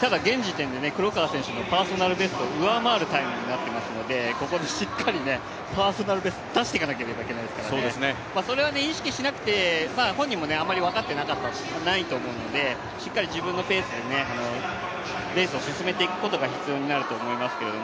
ただ現時点で黒川選手のパーソナルベストを上回るタイムになっていますからここでしっかりパーソナルベストを出していかなければなりませんのでそれは意識しなくて本人もあまり分かってはいなかったと思うので、しっかり自分のペースでレースを進めていくことが必要になると思いますけどね。